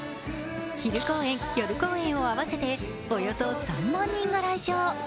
昼公演・夜公演を合わせておよそ３万人が来場。